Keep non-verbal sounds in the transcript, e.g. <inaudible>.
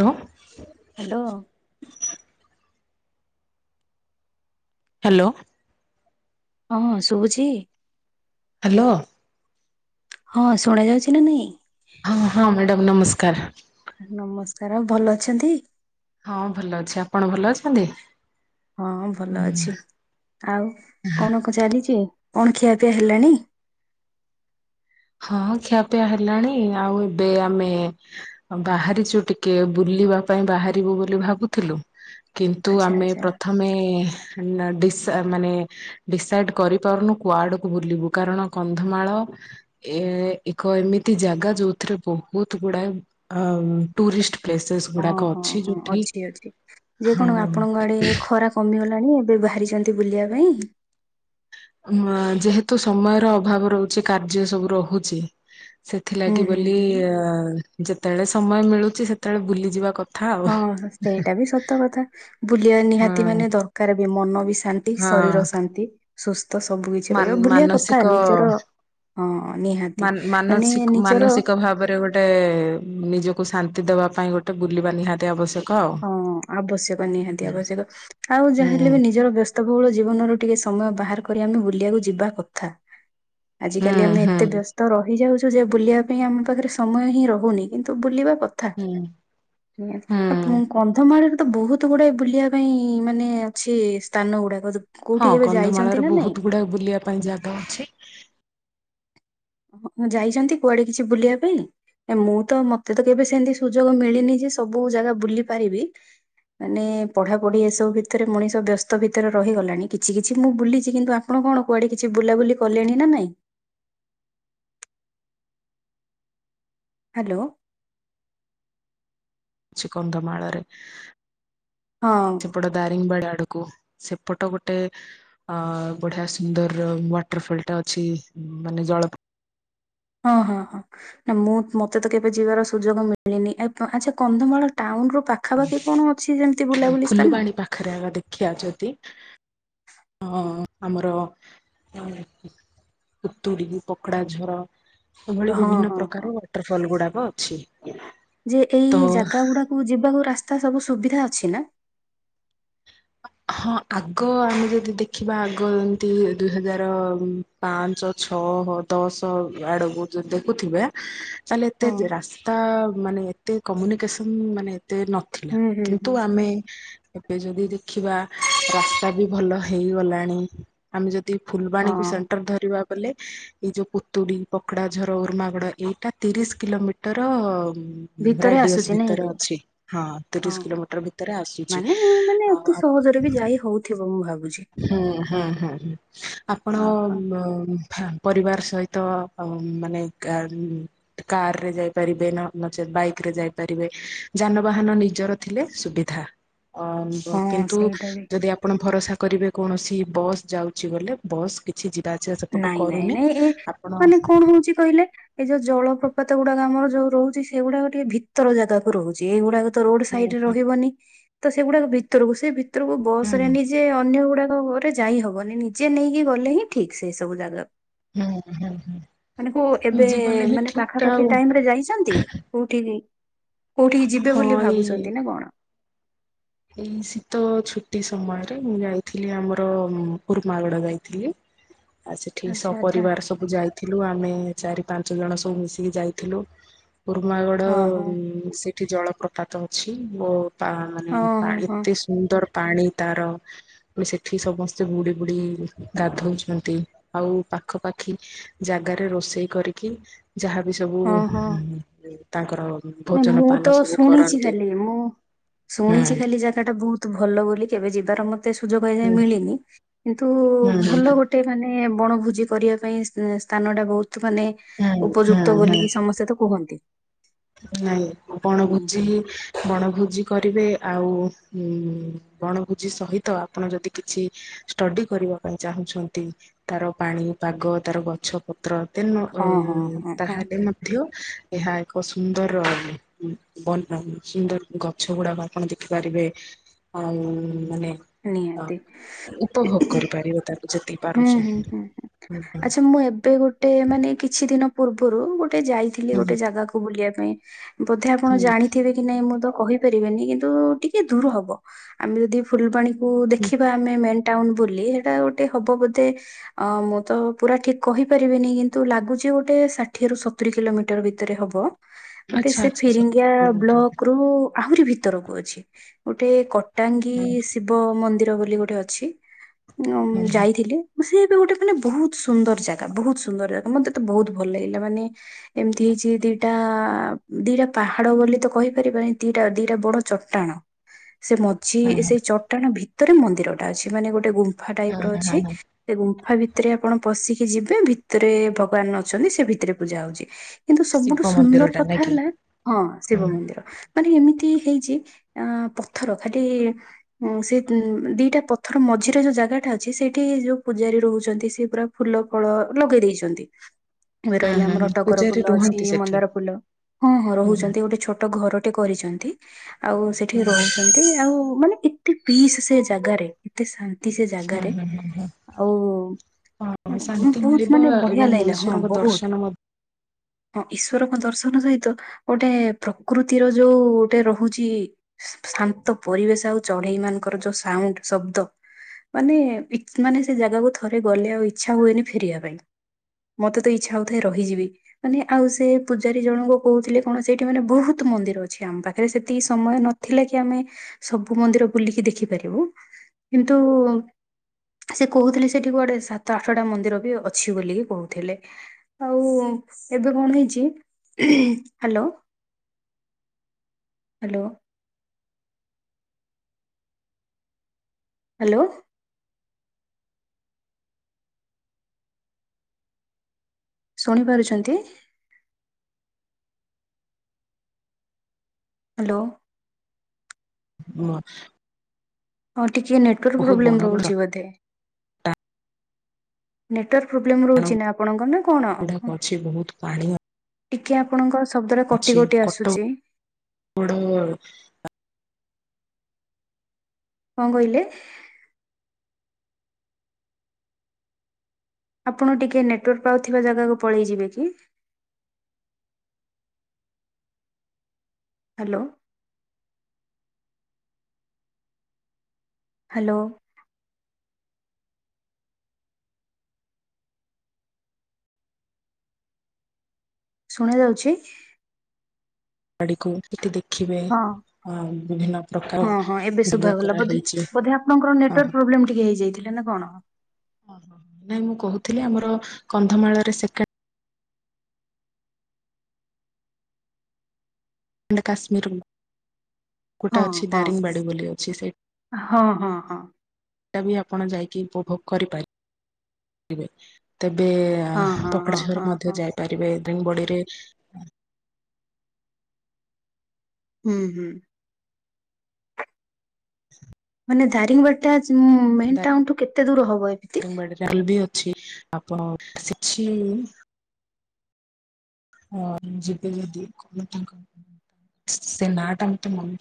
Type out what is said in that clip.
Hello. Hello. Hello. ହଁ ଶୁଭୁଛି। Hello. ହଁ ଶୁଣା ଯାଉଛି ନା ନାଇଁ। ହଁ ହଁ ମ୍ୟାଡ଼ାମ ନମସ୍କାର। ନମସ୍କାର ଆଉ ଭଲ ଅଛନ୍ତି? ହଁ ଭଲ ଅଛି ଆପଣ ଭଲ ଅଛନ୍ତି? ହଁ ଭଲ ହୁଁ। ଅଛି ଆଉ କନକ ଚାଲିଛି କଣ ଖିଆପିଆ ହେଲାଣି। ହଁ ଖିଆପିଆ ହେଲାଣି ଆଉ ଏବେ ଆମେ ଆଉ ବାହାରିଛୁ ଟିକେ ବୁଲିବା ପାଇଁ ବାହାରିବୁ ବୋଲି ଭାବୁଥିଲୁ। କିନ୍ତୁ ଆଚ୍ଛା ଆମେ ଆଚ୍ଛା ପ୍ରଥମେ ନା ଡିସ ମାନେ ଡିସାଇଡ କରିପାରୁନୁ କୁଆଡକୁ ବୁଲିବୁ କାରଣ କନ୍ଧମାଳ ଏ ଏକ ଏମିତି ଜାଗା ଯୋଉଥିରେ ବହୁତ ଗୁଡାଏ ଅ ଟୁରିଷ୍ଟ ପ୍ଲେସେସ୍ ଗୁଡାକ ଓହୋ ଅଛି ହଁ ଯୋଉଠି ଅଛି ଅଛି ଯେ କଣ ହଁ ଆପଣଙ୍କ ଆଡେ ଖରା କମିଗଲାଣି ଏବେ ବାହାରିଛନ୍ତି ବୁଲିଆ ପାଇଁ। ଆଁ ଯେହେତୁ ସମୟର ଅଭାବ ରହୁଛି କାର୍ଯ୍ୟ ସବୁ ରହୁଛି ହୁଁ ସେଥିଲାଗି ହୁଁ ବୋଲି ହୁଁ ଅ ଯେତେବେଳେ ସମୟ ମିଳୁଛି ସେତେବେଳେ ବୁଲିଯିବା କ ହଁ ସେଇଟା ବି ସତ କଥା। ବୁଲିବା ନିହାତି ହୁଁ। ମାନେ ଦରକାର ବି ମନ ବି ଶାନ୍ତି ହଁ ଶରୀର ଶାନ୍ତି ସୁସ୍ଥ ସବୁ କିଛି ମାନ ରହିବ ବୁଲିବା କଥା ମାନସିକ ନିଜର ହଁ ନିହାତି ମାନେ ନିଜର ଟେ ନିଜକୁ ଶାନ୍ତି ଦେବା ପାଇଁ ଗୋଟେ ବୁଲିବା ନିହାତି ଆବଶ୍ୟ ହଁ ଆବଶ୍ୟକ ନିହାତି ଆବଶ୍ୟକ ଆଉ ଯାହା ହୁଁ ହେଲେ ବି ନିଜର ବ୍ୟସ ତକୁ ବହୁଳ ଜୀବନରୁ ଟିକେ ସମୟ ବାହାର କରି ଆମେ ବୁଲିବାକୁ ଯିବା କଥା। ହୁଁ ଆଜିକାଲି ଆମେ ହୁଁ ଏତେ ବ୍ୟସ ତ ରହିଯାଉଛୁ ଯେ ବୁଲିବା ପାଇଁ ଆମ ପାଖରେ ସମୟ ହିଁ ରହୁନି କିନ୍ତୁ ବୁଲିବା କ ଥା ହୁଁ ନି ହୁଁ। କନ୍ଧମାଳରେ ତ ବହୁତ ଗୁଡାଏ ବୁଲିବା ପାଇଁ ମାନେ ଅଛି ସ୍ଥାନ ଗୁଡାକ କୋଉଠି ହଁ କେବେ ଯାଇଛନ୍ତି କନ୍ଧମାଳରେ ନା ନାଇଁ? ବହୁତୁ ଗୁଡାଏ ବୁଲିଆ ପାଇଁ ଜାଗା ଅଛି। ହଁ ଯାଇଛନ୍ତି କୁଆଡେ କିଛି ବୁଲିଆ ପାଇଁ? ମୁଁ ତ ମତେ ତ କେବେ ସେମିତି ସୁଯୋଗ ମିଳିନି ଯେ ସବୁ ଜାଗା ବୁଲି ପାରିବି ମାନେ ପଢ଼ାପଢି ଏସବୁ ଭିତରେ ମଣିଷ ବ୍ୟସ୍ତ ଭିତରେ ରହିଗଲାଣି କିଛି କିଛି ମୁଁ ବୁଲିଛି କିନ୍ତୁ ଆ ଆପଣ କଣ କୁଆଡେ କିଛି ବୁଲାବୁଲି କଲେଣି ନାଇଁ? ହ୍ୟାଲୋ। ଛି କନ୍ଧମାଳରେ। ହଁ। ସେପଟ ଦାରିଙ୍ଗବାଡ ଆଡକୁ ସେପଟ ଗୋଟେ ଅ ବଢିଆ ସୁନ୍ଦର ୱାଟର ଫଲ ଟା ଅଛି ମାନେ ଜଳ ହଁ ହଁ ହଁ। ନା ମୁଁ ମତେ ତ କେବେ ଯିବାର ସୁଯୋଗ ମିଳିନି ଆ ଆଚ୍ଛା କନ୍ଧମାଳ ଟାଉନ ରୁ ପା ପାଖାପାଖି କଣ ଅଛି ଯେମିତି ବୁଲାବୁଲି ସ୍ଥାନ? ଫୁଲବାଣୀ ପାଖରେ ଦେଖିବା ଯଦି ହଁ ଆମର ଅମ୍ ଉତୁଡ଼ି ପକଡା ଝର ଏଭଳି ହଁ ବିଭିନ୍ନ ହଁ ହଁ। ପ୍ରକାର ୱାଟର ଫଲ ଗୁଡାକ ଅଛି। ଯେ ଏଇ ତ ଜାଗା ଗୁଡାକୁ ଯିବାକୁ ରାସ୍ତା ସବୁ ସୁବିଧା ଅଛି ନା? ହଁ ଆଗ ଆମେ ଯଦି ଦେଖିବା ଆଗ ଏମିତି ଦୁଇ ହଜାର ଉଁ ପାଞ୍ଚ ଛହ ଦଶ ଆଡକୁ ଯଦି ଦେଖୁଥିବେ ତାହଲେ ହଁ ଏତେ ରାସ୍ତା ମାନେ ଏତେ କମ୍ୟୁନିକେସନ ମାନେ ଏତେ ନ ଥିଲା ହୁଁ ହୁଁ ହୁଁ କିନ୍ତୁ ହୁଁ। ଆମେ ଏବେ ଯଦି ଦେଖିବା ରାସ୍ତା ବି ଭଲ ହେଇଗଲାଣି। ଆମେ ଯଦି ଫୁଲବାଣୀକୁ ହଁ ସେଣ୍ଟର ଧରିବା ବୋଲେ ଏଇ ଯୋଉ ପୁତୁଡି ପକଡା ଝର ଉର୍ମାଗଡ ଏଇଟା ତିରିଶ କିଲୋମିଟର ଭିତରେ ରାଡିଅସ୍ ଆସୁଛି ନାଇଁ ଭିତରେ କି ହଁ। ଅଛି ହଁ ତିରିଶ ହଁ। କିଲୋମିଟର ଭିତରେ ଆସୁଛି। ମାନେ ମାନେ ଅତି ଆଉ ସହଜରେ ବି ଯାଇ ହଉଥିବ ମୁଁ ଭାବୁଛି। ହୁଁ ହୁଁ ହୁଁ ହୁଁ। ଆପଣ ହଁ ହଁ। ମଁ ପରିବାର ସହିତ ମାନେ ଗା କାର ରେ ଯାଇପାରିବେ ନ ନଚେତ୍ ବାଇକ ରେ ଯାଇପାରିବେ ଯାନବାହାନ ନିଜର ଥିଲେ ସୁବିଧା ଅ ହଁ କିନ୍ତୁ ସେଇଟା ବି ଯଦି ଆ ଆପଣ ଭରସା କରିବେ କୌଣସି ବସ୍ ଯାଉଛି ବୋଲେ ବସ୍ କିଛି ଯିବା ଆସିବା ସେପଟୁ କରୁନି ଆପଣ ଚି କହିଲେ। ଏଇ ଯୋଉ ଜଳପ୍ରପାତ ଗୁଡାକ ଆମର ଯୋଉ ରହୁଛି ସେଗୁଡାକ ଟିକେ ଭିତର ଜାଗା କ ରହୁଛି। ଏଇଗୁଡାକ ରୋଡ ହୁଁ ସାଇଡରେ ହୁଁ ରହିବନି ତ ସେଗୁଡାକ ଭିତରକୁ ସେ ଭିତରକୁ ବସ ରେ ହୁଁ ଯେ ଅନ୍ୟ ଗୁଡାକ ଗରେ ଯାଇ ହବନି ନିଜେ ନେଇକି ଗଲେ ହିଁ ଠିକ୍ ସେ ସବୁ ଜାଗାକୁ ହୁଁ ହୁଁ ହୁଁ ମାନେ କୋ ଏବେ ନିଜେ ଗଲେ ହିଁ ମାନେ ଠିକ ଟା ଆଉ ପାଖାପାଖି ଟାଇମ ରେ ଯାଇଛନ୍ତି? କୋଉଠି କି କୋଉଠି କି ଯିବେ ବୋଲି ହଁ ଏଇ ଭାବୁଛନ୍ତି ନା କଣ? ଏଇ ଶୀତ ଛୁଟି ସମୟରେ ମୁଁ ଯାଇଥିଲି ଆମର ଉରୁମାଗଡା ଯାଇଥିଲି। ଆଉ ସେଠି ଆଚ୍ଛା ଆଚ୍ଛା ସପରିବାର ସବୁ ଯାଇଥିଲୁ ଆମେ ଚାରି ପାଞ୍ଚ ଜଣ ସବୁ ମିଶିକି ଯାଇଥିଲୁ। ଉରୁମାଗଡ ହଁ ହଁ ସେଠି ଜଳପ୍ରପାତ ଅଛି ମୋ ପା ମାନେ ହଁ ହଁ ପାଣି ହଁ ଏତେ ସୁନ୍ଦର ପାଣି ତାର ପୁଣି ସେଠି ସମସ୍ତେ ବୁଡି ବୁଡି ଗାଧଉଛନ୍ତି ଆଉ ପାଖପାଖି ଜାଗାରେ ରୋଷେଇ କରିକି ଯାହାବି ସବୁ ତାଙ୍କର ନାଇ ଭୋଜନ ମୁଁ ପାନ ତ ସବୁ ଶୁଣିଛି କରନ୍ତି। ଖାଲି ମୁଁ ହୁଁ ଶୁଣିଛି ଖାଲି ଯା ସେଟା ବହୁତ ଭଲ ବୋଲି କେବେ ଯିବାର ମତେ ସୁଯୋଗ ଏଯାଏ ହୁଁ ମିଳିନି କିନ୍ତୁ ହୁଁ ଭଲ ଗୋ ହୁଁ ଗୋଟେ ମାନେ ବଣଭୋଜି କରିବା ପାଇଁ ସ୍ଥା ସ୍ଥାନ ଟା ବହୁତ ମାନେ ହୁଁ ହୁଁ ଉପଯୁକ୍ତ ହୁଁ ବୋଲିକି ସମସ୍ତେ ତ କୁହନ୍ତି। ନାଇଁ ବଣ ହୁଁ, ଭୋଜି। ବଣଭୋଜି କରିବେ ଆଉ ବଣଭୋଜି ସହିତ ଆପଣ ଯଦି କିଛି ଷ୍ଟଡି କରିବା ପାଇଁ ଚାହୁଁଛନ୍ତି ତାର ପାଣି ପାଗ ତାର ଗଛ ପତ୍ର ଦେନ ହଁ ହଁ ହଁ ହଁ ତାହେଲେ ମଧ୍ୟ ଏହା ଏକ ସୁନ୍ଦରବନ ସୁନ୍ଦର ଗଛ ଗୁଡାକ ଆପଣ ଦେଖିପାରିବେ। ଆଉ ମାନେ ନିହାତି ଉପଭୋଗ କରିପାରିବ ତା ଯେତିକି ହୁଁ ପାରୁଛୁ ହୁଁ ହୁଁ। ଆଚ୍ଛା ମୁଁ ଏବେ ଗୋଟେ ମାନେ କିଛି ଦିନ ପୂର୍ବରୁ ଗୋଟେ ଯାଇଥିଲି ଗୋଟେ ହୁଁ ଜାଗାକୁ ବୁଲିବା ପାଇଁ। ବୋଧେ ଆପଣ ହୁଁ ଜାଣିଥିବେ ନାଇ ମୁଁ ତ କହିପାରିବିନି କିନ୍ତୁ ଟିକେ ଦୂର ହବ ଆମେ ଯଦି ଫୁଲଵାଣି କୁ ଦେଖିବା ଆମେ ମେନ ଟାଉନ ବୋଲି ହେଟା ଗୋଟେ ହବ ବୋଧେ ଅ ମୁଁ ତ ପୁରା ଠିକ କହିପାରିବିନି କିନ୍ତୁ ଲାଗୁଛି ଗୋଟେ ଷାଠିଏ ରୁ ସତୁରି କିଲୋମିଟର ଭିତରେ ହବ। ଗୋଟେ ଆଚ୍ଛା ସେ ଆଚ୍ଛା ସତୁରି ଫିରିଙ୍ଗିଆ କିଲୋମିଟର ହୁଁ ବ୍ଲକ ରୁ ଆହୁରି ଭିତରକୁ ଅଛି ଗୋଟେ କ ଟାଙ୍ଗୀ ହୁଁ ଶିବ ମନ୍ଦିର ବୋଲି ଗୋଟେ ଅଛି ଉଁ ଆଁ ହୁଁ ଉଁ ଥିଲେ ସିଏବି ଗୋଟେ ମାନେ ବହୁତ ସୁନ୍ଦର ଜାଗା ବହୁତ ସୁନ୍ଦର ଜାଗା ମତେ ତେ ବହୁତ ଭଲ ଲାଗିଲା ମାନେ ଏମିତି ହେଇଛି ଦିଟା ଦିଟା ପାହାଡ ବୋଲି ତ କହିପାରିବାନି ଦିଟା ଦିଟା ବଡ ଚଟ ଟାଣ ସେ ମଝି ହୁଁ ସେଇ ଚଟାଣ ଭିତରେ ମନ୍ଦିରଟା ଅଛି ମାନେ ଗୋଟେ ଗୁମ୍ଫା ଟାଇପ ର ହୁଁ ଅଛି। ହୁଁ ସେ ଗୁମ୍ଫା ଭିତରେ ଆପଣ ପଶିକି ଯିବେ ଭିତରେ ଭଗବାନ ଅଛନ୍ତି ସେ ଭିତରେ ପୂଜା ହଉଛି। କିନ୍ତୁ ସବୁଠୁ ଶିବ ମନ୍ଦିର ସୁନ୍ଦର ଟା କଥା ନାଇଁ କି? ହେଲା ହଁ ହୁଁ। ଶିବ ମନ୍ଦିର ମାନେ ଏମିତି ହେଇଛି ଆଁ ପଥର ଖାଲି ହଁ ସେ ଦିଟା ପଥର ମଝିରେ ଯୋଉ ଜାଗାଟା ଅ ସେଇଠି ଯୋଉ ପୂଜାରୀ ରହୁଛନ୍ତି, ସେ ପୁରା ଫୁଲ ଫଳ ଲଗେଇ ଦେଇଛନ୍ତି। ଏ ହୁଁ ରହିଲା ହୁଁ ଆମର ହୁଁ। ଟଗର ପୂଜାରୀ ଫୁଲ ଅଛି ରୁହନ୍ତି ସେଠି। ମନ୍ଦାର ଫୁଲ, ହଁ ହଁ ହୁଁ ହୁଁ ରହୁଛନ୍ତି ଗୋଟେ ଛୋଟ ଘର ଗୋଟେ କରିଛନ୍ତି ଆଉ ସେଠି ହୁଁ ରହୁଛନ୍ତି। ଏ ଆଉ ମାନେ ଏତେ ପିସ୍ ସେ ଜାଗାରେ ଏତେ ଶାନ୍ତି ସେ ଜାଗାରେ ହୁଁ ହୁଁ। ଆଉ ହଁ ଶାନ୍ତି ବହୁତ ମିଳିବ ମାନେ ବଢିଆ ଏବଂ ଲାଗିଲା, ହଁ ଈଶ୍ୱରଙ୍କ ବହୁତ ଦର୍ଶନ ମଧ୍ୟ ହଁ ଈଶ୍ୱରଙ୍କ ଦର୍ଶନ ସହିତ ଗୋଟେ ପ୍ରକୃତିର ଯୋଉ ଗୋଟେ ରହୁଛି। ଶାନ୍ତ ପରିବେଶ ଆଉ ଚଢେଇ ମାନଙ୍କର ଯୋଉ ସାଉଣ୍ଡ ଶବ୍ଦ ମାନେ ମାନେ ସେ ଜାଗାକୁ ଥରେ ଗଲେ ଆଉ ଇଚ୍ଛା ହୁଏନି ଫେରିବା ପାଇଁ। ମତେ ତ ଇଚ୍ଛା ହଉଥାଏ ରହିଯିବି। ମାନେ ଆଉ ସେ ପୂଜାରୀ ଜଣଙ୍କୁ କହୁଥିଲେ, କଣ ସେଇଠି ମାନେ ବହୁତ ମନ୍ଦିର ଅଛି। ଆମ ପାଖରେ ସେତିକି ସମୟ ନ ଥିଲା କି ଆମେ ସବୁ ମନ୍ଦିର ବୁଲିକି ଦେଖିପାରିବୁ କିନ୍ତୁ ସେ କହୁଥିଲେ ସେଠି କୁଆଡେ ସାତ ଆଠଟା ମନ୍ଦିର ବି ଅଛି ବୋଲିକି କହୁଥିଲେ। ଆଉ ଏବେ କଣ ହେଇଛି, ହାଲୋ। ହାଲୋ। ହାଲୋ। ଶୁଣିପାରୁଛନ୍ତି। ହାଲୋ। ହଁ। ହଁ ଟିକେ ନେଟୱାର୍କ ବଡ ପ୍ରୋବ୍ଲେମ ବଡ ରହୁଛି ବୋଧେ। ନେଟୱାର୍କ ପ୍ରୋବ୍ଲେମ୍ ଚଟାଣ ରହୁଛି ନା ଆପଣଙ୍କ ନା କଣ? <inaudible> ଅଛି ବହୁତ ପାଣି ଅ ଟିକେ ଆପଣଙ୍କ ଶବ୍ଦରେ କଟି କଟି କଟକ ଆସୁଛି। ବଡ। କଣ କହିଲେ? ଆପଣ ଟିକେ ନେଟୱାର୍କ ପାଉଥିବା ଜାଗାକୁ ପଳେଇଯିବେ କି? ହାଲୋ। ହାଲୋ। ଶୁଣା ଯାଉଚି? ବାଡି କୁ ଟିକେ ଦେଖିବେ ହଁ ଅ ବିଭିନ୍ନ ପ୍ରକାର ହଁ ହଁ ଏବେ <unintelligible> ଶୁଭାଗଲା ବୋଧେ କରାହେଇଚି। ବୋଧେ ଆପଣଙ୍କର ନେଟୱାର୍କ ପ୍ରୋବ୍ଲେମ୍ ଟିକେ ହେଇଯାଇଥିଲା ନା କଣ? ହଁ ହଁ। ନାଇଁ ମୁଁ କହୁଥିଲି ଆମର କନ୍ଧମାଳରେ ସେ କେଣ୍ଡ କାଶ୍ମୀର। ଗୋଟ ହଁ ଅଛି ହଁ ଦାରିଙ୍ଗବାଡ଼ି ବୋଲି ଅଛି। ସେ ହଁ ହଁ ହଁ ଟା ବି ଆପଣ ଯାଇକି ଉପଭୋଗ କରିପାରିବେ। ତେବେ ହଁ ହଁ ହଁ <unintelligible> ହଁ ମଧ୍ୟ ହଁ ଯାଇପାରିବେ। ଦାରିଙ୍ଗବାଡ଼ି ରେ ହୁଁ ହୁଁ। ମାନେ ଦାରିଙ୍ଗବାଡିଟା ମେନ୍ ଟାଉନଠୁ କେତେ ଦୂର ହବ ଏମିତି? <unintelligible> ବି ଅଛି ଆପଣ। <unintelligible> <unintelligible>